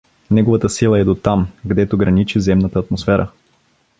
— Неговата сила е дотам, гдето граничи земната атмосфера.